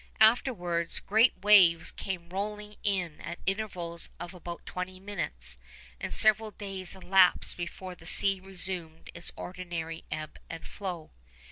Afterwards great waves came rolling in at intervals of about twenty minutes, and several days elapsed before the sea resumed its ordinary ebb and flow.